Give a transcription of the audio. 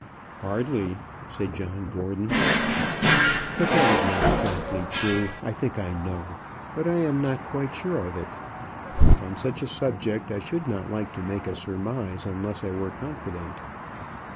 "Hardly," said John Gordon. "But that is not exactly true. I think I know, but I am not quite sure of it. On such a subject I should not like to make a surmise unless I were confident."